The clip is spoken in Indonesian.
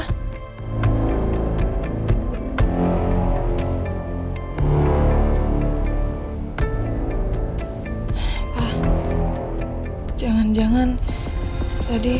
pak jangan jangan tadi